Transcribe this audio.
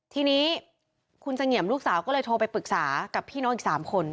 ทีนี้คุณเสงี่ยมลูกสาวก็เลยโทรไปปรึกษากับพี่น้องอีก๓คน